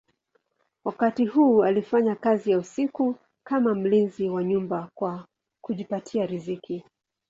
Wakati huu alifanya kazi ya usiku kama mlinzi wa nyumba kwa kujipatia riziki.